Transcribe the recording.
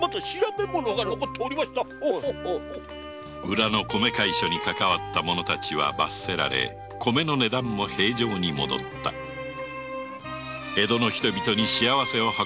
裏の米会所にかかわった者たちは罰せられ米の値段も平常に戻った江戸の人々に幸せを運ぶ小さなハト